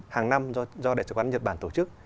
hàng năm do đại sứ quán nhật bản tổ chức